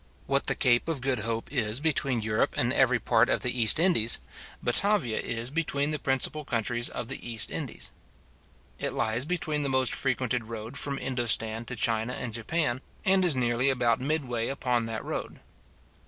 What the Cape of Good Hope is between Europe and every part of the East Indies, Batavia is between the principal countries of the East Indies. It lies upon the most frequented road from Indostan to China and Japan, and is nearly about mid way upon that road.